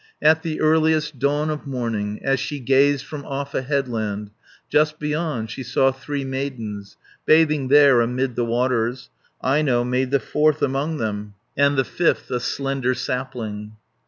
At the earliest dawn of morning, As she gazed from off a headland, Just beyond she saw three maidens, Bathing there amid the waters, Aino made the fourth among then, And the fifth a slender sapling.